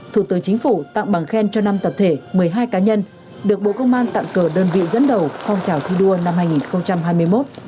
thủ tướng chính phủ tặng bằng khen cho năm tập thể một mươi hai cá nhân được bộ công an tặng cờ đơn vị dẫn đầu phong trào thi đua năm hai nghìn hai mươi một